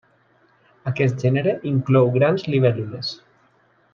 Aquest gènere inclou grans libèl·lules.